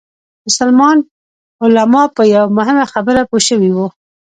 مسلمان علما په یوه مهمه خبره پوه شوي وو.